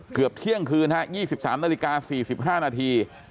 เกือบเที่ยงคืนฮะยี่สิบสามนาฬิกาสี่สิบห้านาที